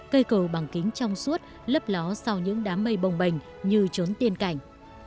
cây cầu bằng kính trong suốt lấp ló sau những đám mây bồng bềnh như trốn tiên cảnh